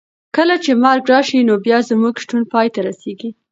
کله چې مرګ راشي نو بیا زموږ شتون پای ته رسېږي.